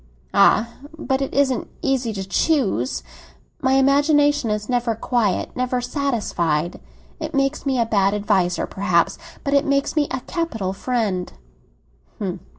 "Ah! but it isn't easy to choose. My imagination is never quiet, never satisfied. It makes me a bad adviser, perhaps; but it makes me a capital friend!"